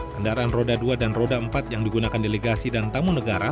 kendaraan roda dua dan roda empat yang digunakan delegasi dan tamu negara